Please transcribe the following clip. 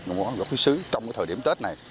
nguồn hóa gốc khí sứ trong thời điểm tết này